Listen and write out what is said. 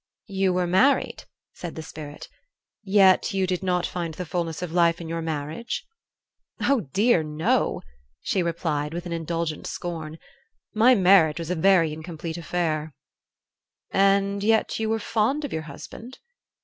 "You were married," said the Spirit, "yet you did not find the fulness of life in your marriage?" "Oh, dear, no," she replied, with an indulgent scorn, "my marriage was a very incomplete affair." "And yet you were fond of your husband?"